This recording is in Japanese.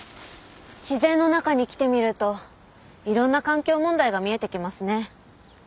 自然の中に来てみるといろんな環境問題が見えてきますね。